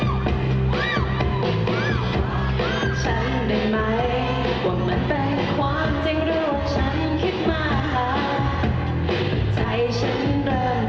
บอกความใจกับฉันอยากจะรู้ว่าใจจะคิดฉันได้